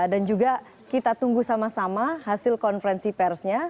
dan juga kita tunggu sama sama hasil konferensi persnya